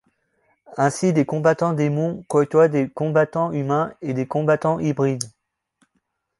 Ainsi des combattants démons côtoient des combattants humains et des combattants hybrides.